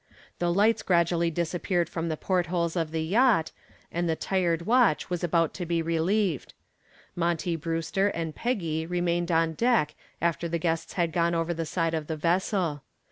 The lights gradually disappeared from the port holes of the yacht, and the tired watch was about to be relieved. Monty Brewster and Peggy remained on deck after the guests had gone over the side of the vessel.